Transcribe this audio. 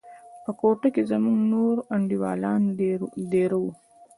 په كوټه کښې زموږ نور انډيوالان دېره وو.